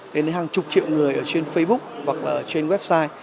lên đến hàng chục triệu người ở trên facebook hoặc là trên website